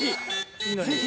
ぜひ。